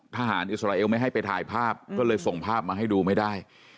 อิสราเอลไม่ให้ไปถ่ายภาพก็เลยส่งภาพมาให้ดูไม่ได้